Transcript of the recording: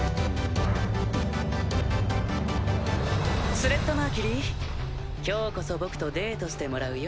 スレッタ・マーキュリー今日こそ僕とデートしてもらうよ。